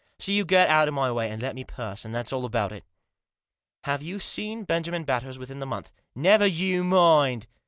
So you get out of my way and let me pass ; and that's all about it." " Have you seen Benjamin Batters within the month?" " Never you mind